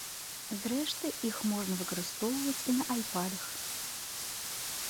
Зрэшты, іх можна выкарыстоўваць і на айпадах.